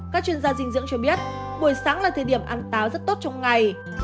các chuyên gia dinh dưỡng cho biết buổi sáng là thời điểm ăn táo rất tốt trong ngày